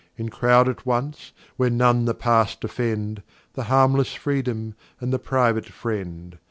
In croud at once, where none the Pass defend, The harmless Freedom, and the private Friend.